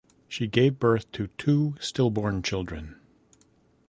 She gave birth to two stillborn children.